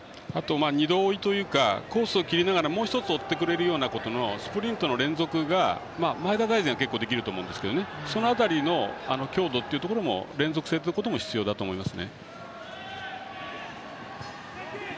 ２度追いというかコースを切りながらもう１つ追ってくれるようなスプリントの連続が前田大然結構できると思いますがその辺りの強度っていうところも連動するところも大事だと思います。